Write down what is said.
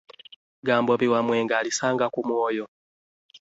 Ggambobbi wamwenge alisanga ku mwoyo.